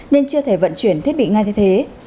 nên chưa thể vận chuyển thiết bị ngay như thế